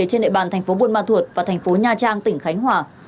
trên địa bàn thành phố buôn ma thuột và thành phố nha trang tỉnh khánh hòa